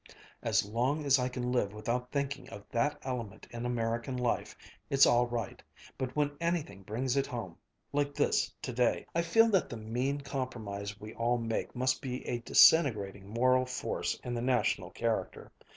"As long as I can live without thinking of that element in American life it's all right. But when anything brings it home like this today I feel that the mean compromise we all make must be a disintegrating moral force in the national character.